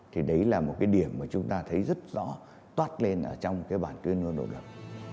thì đấy là một cái điểm mà chúng ta thấy rất rõ toát lên ở trong cái bản tuyên ngôn độc lập